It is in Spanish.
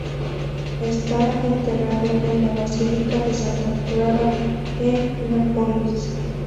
Está enterrado en la Basílica de Santa Clara, en Nápoles.